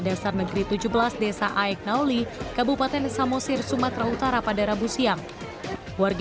dasar negeri tujuh belas desa aeknauli kabupaten samosir sumatera utara pada rabu siang warga